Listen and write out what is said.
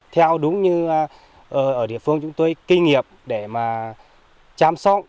theo đúng như ở địa phương chúng tôi kinh nghiệm để mà chăm sóc